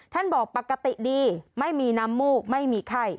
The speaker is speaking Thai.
บอกปกติดีไม่มีน้ำมูกไม่มีไข้